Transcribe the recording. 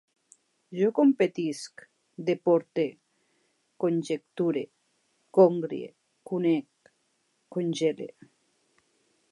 Jo competisc, deporte, conjecture, congrie, conec, congele